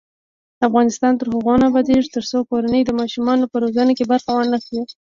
افغانستان تر هغو نه ابادیږي، ترڅو کورنۍ د ماشومانو په روزنه کې برخه وانخلي.